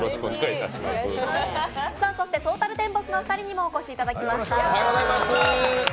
そしてトータルテンボスのお二人にもお越しいただきました。